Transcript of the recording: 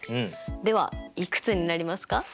ではいくつになりますか？